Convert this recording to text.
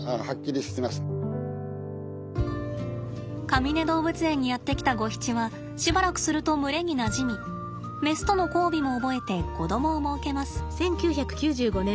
かみね動物園にやって来たゴヒチはしばらくすると群れになじみメスとの交尾も覚えて子供を設けます。